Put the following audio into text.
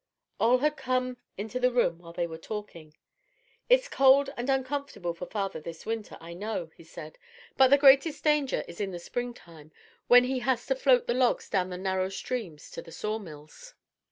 Ole had come into the room while they were talking. "It's cold and uncomfortable for father this winter, I know," he said, "but the greatest danger is in the spring time, when he has to float the logs down the narrow streams to the sawmills."